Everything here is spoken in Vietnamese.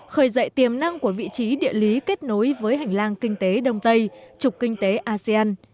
khởi dậy tiềm năng của vị trí địa lý kết nối với hành lang kinh tế đông tây trục kinh tế asean